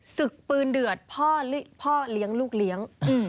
ศึกปืนเดือดพ่อเลี้ยงลูกเลี้ยง